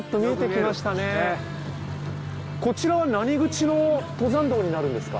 こちらは何口の登山道になるんですか？